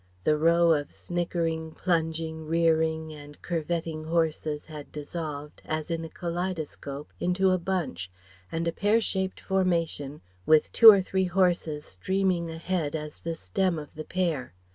The row of snickering, plunging, rearing, and curvetting horses had dissolved, as in a kaleidoscope, into a bunch, and a pear shaped formation with two or three horses streaming ahead as the stem of the pear.